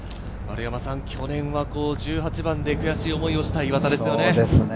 去年は１８番で悔しい思いをした岩田ですよね。